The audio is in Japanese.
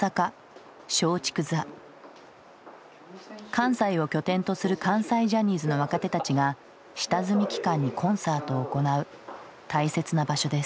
関西を拠点とする関西ジャニーズの若手たちが下積み期間にコンサートを行う大切な場所です。